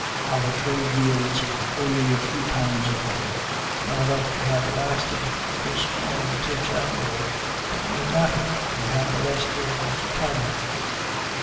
Our tree yields only a few pounds of honey, not enough to have lasted the swarm till January, but no matter: we have the less burden to carry.